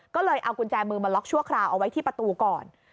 ก็เลยเอากุญแจมือมาล็อกชั่วคราวเอาไว้ที่ประตูก่อน